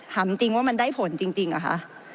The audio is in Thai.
ถามจริงว่ามันได้ผลจริงเหรอคะ